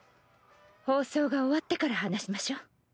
放送が終わってから話しましょう。